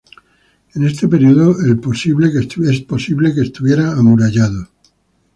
En este periodo el posible que estuviera amurallado.